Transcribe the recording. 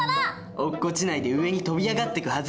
落っこちないで上に飛び上がってくはず。